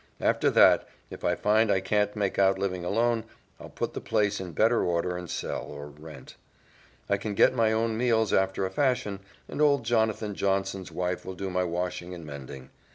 After that, if I find I can't make out living alone, I'll put the place in better order and sell or rent. I can get my own meals after a fashion, and old Jonathan Johnson's wife will do my washing and mending.